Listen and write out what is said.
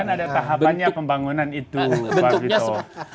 ya kan ada tahapannya pembangunan itu pak gito